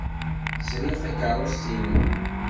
Sriɣ takeṛṛust-nnem.